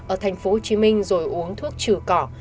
ở tp hcm rồi uống thuốc trừ cỏ